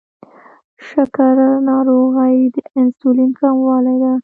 شکره ناروغي د انسولین کموالي ده.